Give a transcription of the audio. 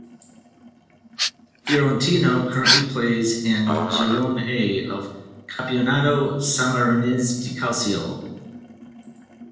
Fiorentino currently plays in "Girone A" of Campionato Sammarinese di Calcio.